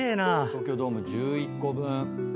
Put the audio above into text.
東京ドーム１１個分。